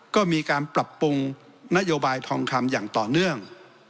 ก็มีการปรับปรุงนโยบายทองคำอย่างต่อเนื่อง